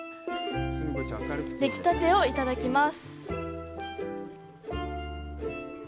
できたてをいただきます。